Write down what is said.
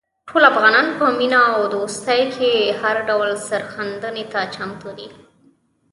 ټول افغانان په مینه او دوستۍ کې هر ډول سرښندنې ته چمتو دي.